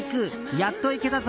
やっと行けたぞ！